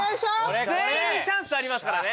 全員にチャンスありますからね